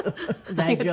大丈夫。